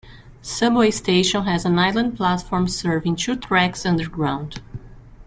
Subway station has an island platform serving two tracks underground.